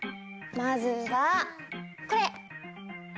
まずはこれ！